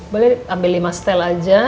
boleh ambil lima stel aja ya